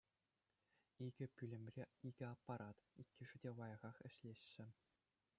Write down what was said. Икӗ пӳлӗмре икӗ аппарат, иккӗшӗ те лайӑхах ӗҫлеҫҫӗ.